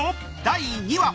第２話